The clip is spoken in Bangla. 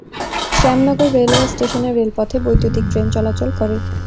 শ্যামনগর রেলওয়ে স্টেশনের রেলপথে বৈদ্যুতীক ট্রেন চলাচল করে।